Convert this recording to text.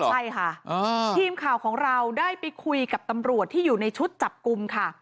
ใช่ค่ะทีมข่าวของเราได้ไปคุยกับตำรวจที่อยู่ในชุดจับกลุ่มค่ะ